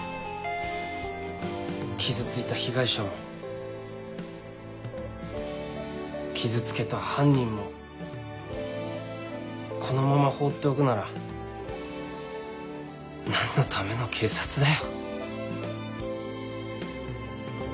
傷ついた被害者も傷つけた犯人もこのまま放っておくなら何のための警察だよ。